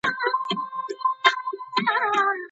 د غاښونو کلینیکونه څه خدمات لري؟